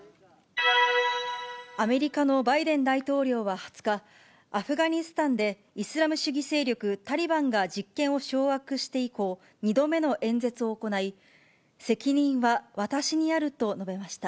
アメリカのバイデン大統領は２０日、アフガニスタンでイスラム主義勢力タリバンが実権を掌握して以降、２度目の演説を行い、責任は私にあると述べました。